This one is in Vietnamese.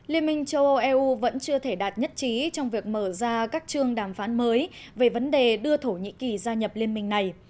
liên minh châu âu eu vẫn chưa thể đạt nhất trí trong việc mở ra các trường đàm phán mới về vấn đề đưa thổ nhĩ kỳ gia nhập liên minh này